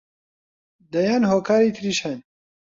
دەیان هۆکاری تریش هەن